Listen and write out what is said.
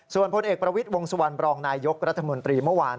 ส่วนพลเอกประวิทย์วงสุวรรณบรองนายยกรัฐมนตรีเมื่อวาน